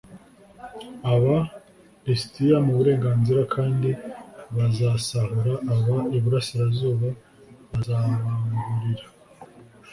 aba lisitiya mu burengerazuba kandi bazasahura ab iburasirazuba bazabangurira